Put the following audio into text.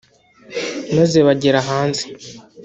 maze bagera hanze